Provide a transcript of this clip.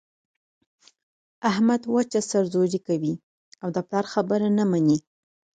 احمد وچه سر زوري کوي او د پلار خبره نه مني.